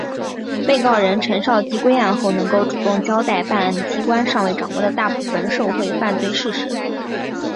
被告人陈绍基归案后能够主动交代办案机关尚未掌握的大部分受贿犯罪事实。